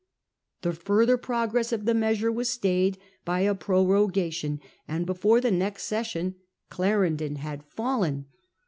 The further pro gress of the measure was stayed by a prorogation, and before the next session Clarendon had fallen.